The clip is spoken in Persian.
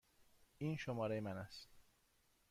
این شماره من است.